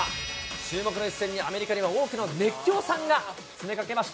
注目の一戦にアメリカでは多くの熱狂さんが詰めかけました。